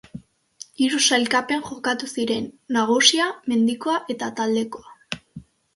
Hiru sailkapen jokatu ziren: Nagusia, mendikoa eta taldekakoa.